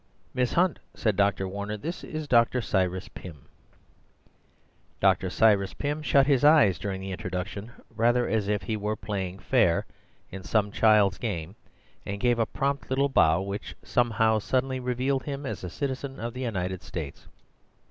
"Miss Hunt," said Dr. Warner, "this is Dr. Cyrus Pym." Dr. Cyrus Pym shut his eyes during the introduction, rather as if he were "playing fair" in some child's game, and gave a prompt little bow, which somehow suddenly revealed him as a citizen of the United States.